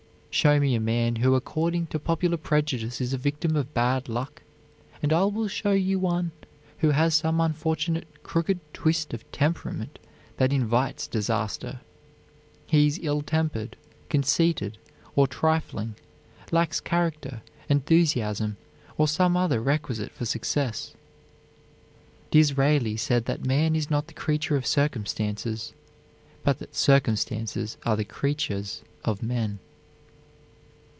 Show me a man who according to popular prejudice is a victim of bad luck, and I will show you one who has some unfortunate crooked twist of temperament that invites disaster. He is ill tempered, conceited, or trifling; lacks character, enthusiasm, or some other requisite for success. Disraeli said that man is not the creature of circumstances, but that circumstances are the creatures of men.